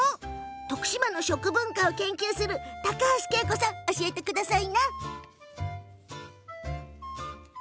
徳島の食文化を研究する高橋啓子さん、教えてください。